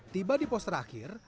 tiba di pos terakhir